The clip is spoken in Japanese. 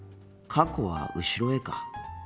過去は後ろへか。